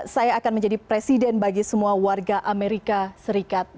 saya akan menjadi presiden bagi semua warga amerika serikat